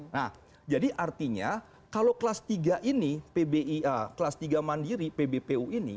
nah jadi artinya kalau kelas tiga ini pbia kelas tiga mandiri pbpu ini